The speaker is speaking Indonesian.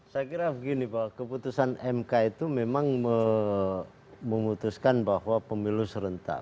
saya kira begini bahwa keputusan mk itu memang memutuskan bahwa pemilu serentak